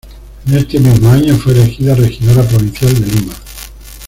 En este mismo año fue elegida regidora provincial de Lima.